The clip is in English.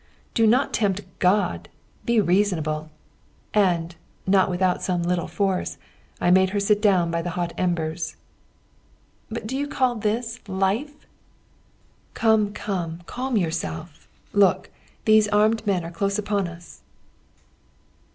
"Do not tempt God! Be reasonable!" And, not without some little force, I made her sit down by the hot embers. "But do you call this life?" "Come, come, calm yourself! Look, these armed men are close upon us!"